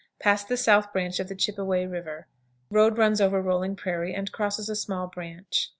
Pass the South Branch of the Chippeway River. Road runs over rolling prairie, and crosses a small branch.